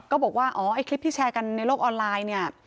บอกว่าอ๋อไอ้คลิปที่แชร์กันในโลกออนไลน์เนี่ย